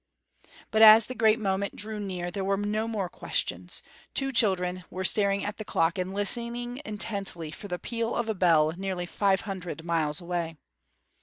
But as the great moment drew near there were no more questions; two children were staring at the clock and listening intently for the peal of a bell nearly five hundred miles away.